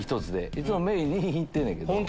いつもメイン２品いってんねんけど。